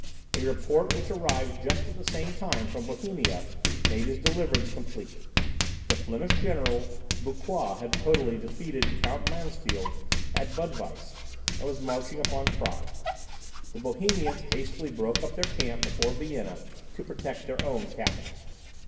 A report which arrived just at the same time from Bohemia made his deliverance complete. The Flemish general, Bucquoi, had totally defeated Count Mansfeld at Budweiss, and was marching upon Prague. The Bohemians hastily broke up their camp before Vienna to protect their own capital.